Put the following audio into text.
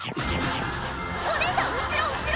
お姉さん後ろ後ろ！